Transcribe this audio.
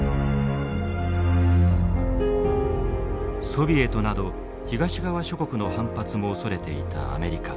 ソビエトなど東側諸国の反発も恐れていたアメリカ。